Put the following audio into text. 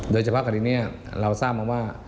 โดยเฉพาะคดีนี้เราทราบมาว่า